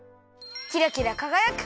キラキラかがやく！